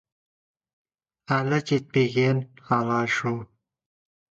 Орташа болсаң, ақыңды ешкім жемейді.